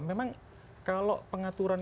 memang kalau pengaturan